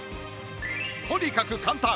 とにかく簡単！